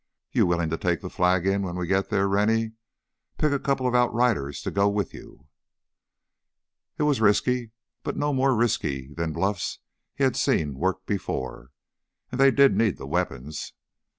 You willing to take the flag in when we get there, Rennie? Pick a couple of outriders to go with you!" It was risky, but no more risky than bluffs he had seen work before. And they did need the weapons.